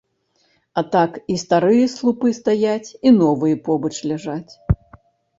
А так, і старыя слупы стаяць, і новыя побач ляжаць.